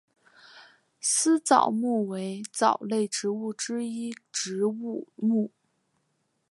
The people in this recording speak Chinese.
丝藻目为藻类植物之一植物目。